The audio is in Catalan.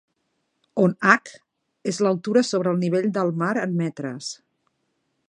On "h" és l'altura sobre el nivell del mar en metres.